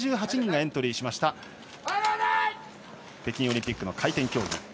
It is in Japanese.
８８人がエントリーしました北京オリンピックの回転競技。